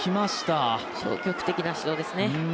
消極的な指導ですね。